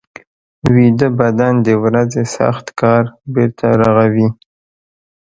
ویده بدن د ورځې سخت کار بېرته رغوي